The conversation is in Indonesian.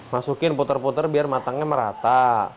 masukin puter puter biar matangnya merata